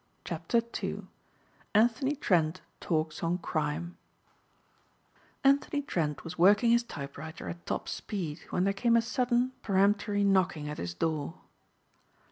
CHAPTER II ANTHONY TRENT TALKS ON CRIME ANTHONY TRENTwas working his typewriter at top speed when there came a sudden, peremptory knocking at his door.